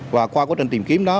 và qua quá trình tìm kiếm đó